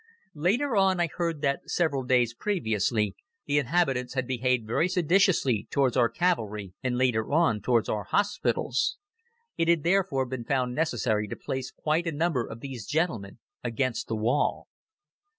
Later on I heard that several days previously, the inhabitants had behaved very seditiously towards our cavalry, and later on towards our hospitals. It had therefore been found necessary to place quite a number of these gentlemen against the wall.